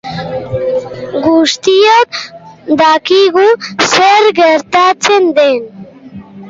Guztiok dakigu zer gertatzen den.